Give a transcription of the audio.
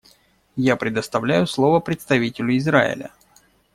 Я предоставляю слово представителю Израиля.